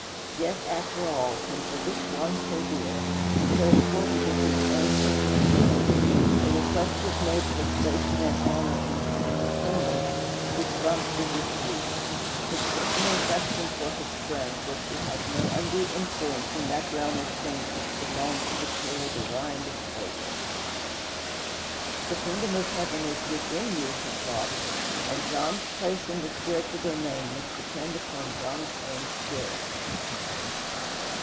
Yet, after all, when for this one so dear, so accordant with his own personal feelings, a request was made for station and honor in the heavenly kingdom, he promptly refused. His personal affection for his friends was to have no undue influence in that realm of things which belonged to the purely divine disposal. "The kingdom of heaven is within you," he taught; and John's place in the spiritual domain must depend upon John's own spirit.